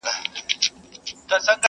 خدایه مینه د قلم ور کړې په زړو کي .